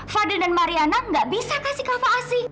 fadil dan mariana gak bisa kasih kava asih